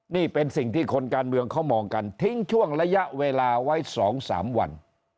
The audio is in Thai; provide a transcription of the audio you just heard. นี่เป็นสิ่งที่คนการเมืองเขามองกันทิ้งช่วงระยะเวลาไว้๒๓วัน